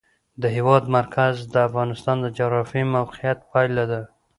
د هېواد مرکز د افغانستان د جغرافیایي موقیعت پایله ده.